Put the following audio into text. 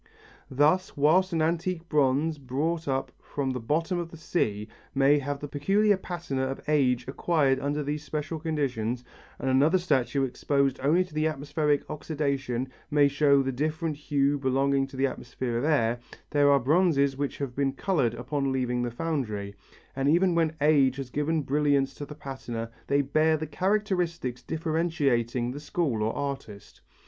] Thus whilst an antique bronze brought up from the bottom of the sea may have the peculiar patina of age acquired under these special conditions and another statue exposed only to atmospheric oxidation may show the different hue belonging to the effect of air, there are bronzes which have been coloured upon leaving the foundry, and even when age has given brilliance to the patina they bear the characteristics differentiating the school or artist.